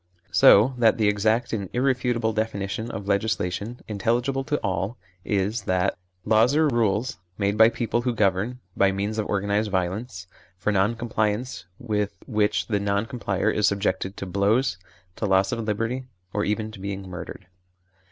So that the exact and irrefutable definition of legislation, intelligible to all, is that : Laws are rules, made by people who govern by means of organised violence, for non compliance with which the non complier is subjected to blows, to loss of liberty, or even to being murdered.